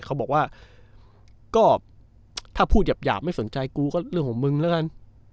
เขาบอกว่าก็ถ้าพูดหยาบไม่สนใจกูก็เรื่องของมึงแล้วกัน